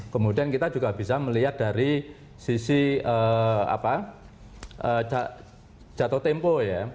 kemudian kita juga bisa melihat dari sisi jatuh tempo ya